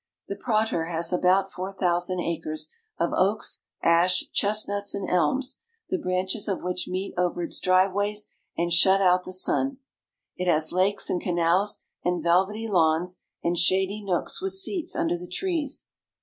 The Prater has about four thousand acres of oaks, ash, chestnuts, and elms, the branches of which meet over its driveways and shut out the sun. It has lakes and canals, and velvety lawns, and shady nooks with seats under the trees.